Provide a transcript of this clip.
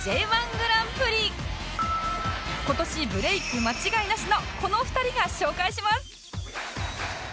今年ブレイク間違いなしのこの２人が紹介します